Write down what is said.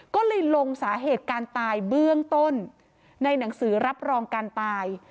ก็เลยลงสาเหตุการตายเบื้องต้นในหนังสือรับรองการตาย